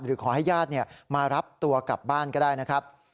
ขอให้ญาติมารับตัวกลับบ้านก็ได้นะครับ